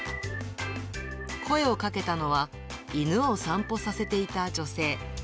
声をかけたのは、犬を散歩させていた女性。